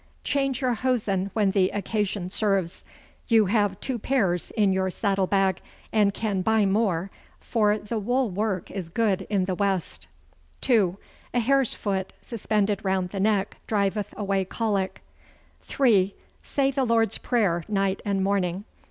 Change your hosen when the occasion serves. You have two pairs in your saddle bag, and can buy more, for the wool work is good in the West. '2. A hare's foot suspended round the neck driveth away colic. '3. Say the Lord's Prayer night and morning.